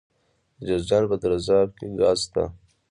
د جوزجان په درزاب کې ګاز شته.